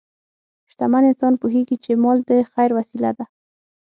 شتمن انسان پوهېږي چې مال د خیر وسیله ده.